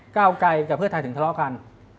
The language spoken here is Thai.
เก้าไกลกับเพื่อไทยถึงทะเลาะกัน